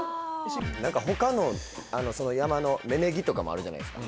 何か他の山の芽ネギとかもあるじゃないですか